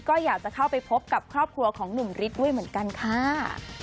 ก็อยากจะเข้าไปพบกับครอบครัวของหนุ่มฤทธิ์ด้วยเหมือนกันค่ะ